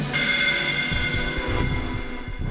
aku mau nungguin